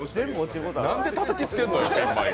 なんでたたきつけるのよ、ピンマイク。